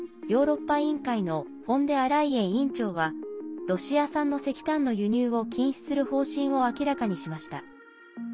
ヨーロッパ委員会のフォンデアライエン委員長はロシア産の石炭の輸入を禁止する方針を明らかにしました。